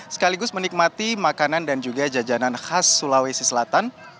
sekaligus menikmati makanan dan juga jajanan khas sulawesi selatan